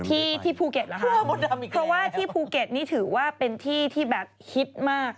ที่ที่ภูเก็ตเหรอคะเพราะว่าที่ภูเก็ตนี่ถือว่าเป็นที่ที่แบบฮิตมาก